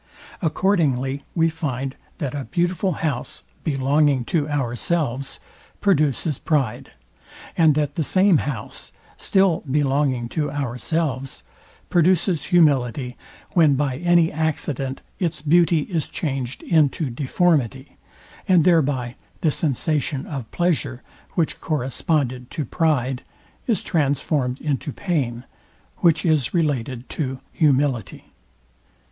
Accordingly we find, that a beautiful house, belonging to ourselves, produces pride; and that the same house, still belonging to ourselves, produces humility, when by any accident its beauty is changed into deformity, and thereby the sensation of pleasure, which corresponded to pride, is transformed into pain, which is related to humility.